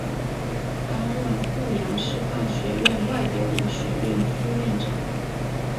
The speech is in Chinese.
担任阜阳师范学院外国语学院副院长。